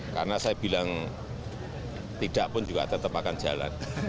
karena saya bilang tidak pun juga tetap akan jalan